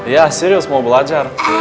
ya serius mau belajar